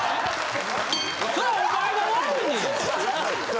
それはお前が悪いねん！